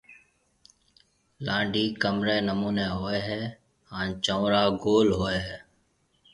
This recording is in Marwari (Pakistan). لانڊَي ڪمرَي نمونيَ ھوئيَ ھيََََ ھان چنورا گول ھوئيَ ھيََََ